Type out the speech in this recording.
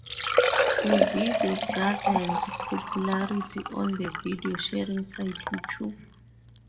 The video garnered popularity on the video sharing site YouTube.